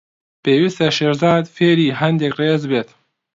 پێویستە شێرزاد فێری هەندێک ڕێز بێت.